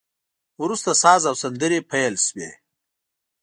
وروسته ساز او سندري پیل شوې.